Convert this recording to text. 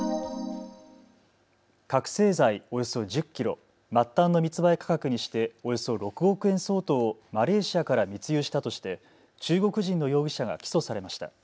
覚醒剤およそ１０キロ、末端の密売価格にしておよそ６億円相当をマレーシアから密輸したとして中国人の容疑者が起訴されました。